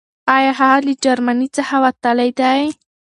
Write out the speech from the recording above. آيا هغه له جرمني څخه وتلی دی؟